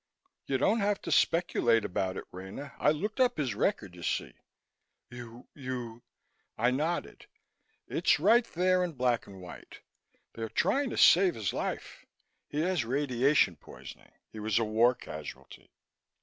"You don't have to speculate about it, Rena. I looked up his record, you see." "You you " I nodded. "It's right there in black and white. They're trying to save his life. He has radiation poisoning. He was a war casualty.